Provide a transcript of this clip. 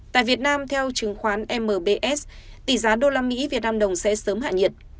tại việt nam theo chứng khoán mbs tỷ giá usd vnđ sẽ sớm hạ nhiệt